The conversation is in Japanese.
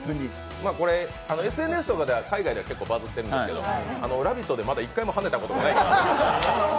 ＳＮＳとかで、海外では結構バズってるんですけども、「ラヴィット！」でまだ１回もはねたことがない。